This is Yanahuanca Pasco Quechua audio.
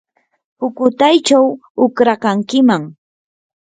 pukutaychaw uqrakankiman.